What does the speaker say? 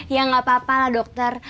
ya nggak apa apa lah dokter